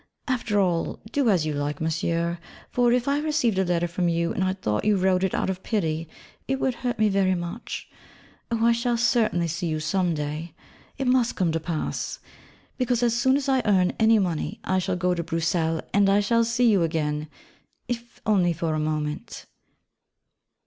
After all, do as you like, Monsieur, for if I received a letter from you and I thought you wrote it out of pity, it would hurt me very much.... Oh I shall certainly see you some day. It must come to pass. Because as soon as I earn any money, I shall go to Bruxelles and I shall see you again, if only for a moment.